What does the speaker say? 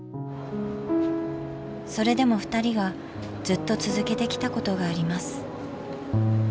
それでもふたりがずっと続けてきたことがあります。